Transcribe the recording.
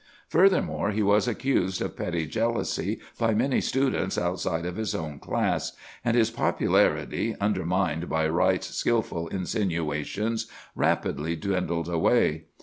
Furthermore, he was accused of petty jealousy by many students outside of his own class; and his popularity, undermined by Wright's skilful insinuations, rapidly dwindled away.